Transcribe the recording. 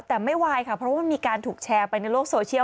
แต่ไม่ไหวค่ะเพราะว่ามันมีการถูกแชร์ไปในโลกโซเชียล